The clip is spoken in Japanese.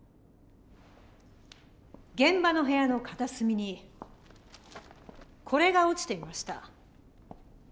現場の部屋の片隅にこれが落ちていました。